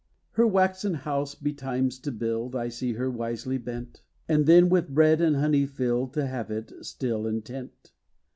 Her waxen house betimes to build I see her wisely bent; And then, with bread and honey filled To have it, still intent.